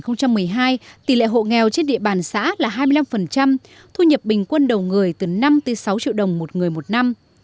năm hai nghìn một mươi hai tỷ lệ hộ nghèo trên địa bàn xã là hai mươi năm thu nhập bình quân đầu người từ năm sáu triệu đồng một người một năm